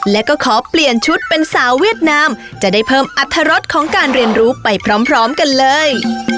และก็ขอเปลี่ยนชุดเป็นสาวเวียดนามจะได้เพิ่มอัตรรสของการเรียนรู้ไปพร้อมกันเลย